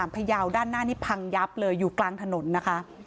พยาวด้านหน้านี่พังยับเลยอยู่กลางถนนนะคะ